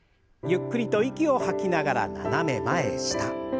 ゆっくりと息を吐きながら斜め前下。